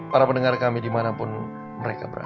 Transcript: para pendengar kami dimanapun mereka berada